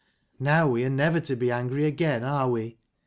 Now we are never to be angry again, are we